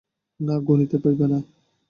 না, গুনিতে পাইবে না।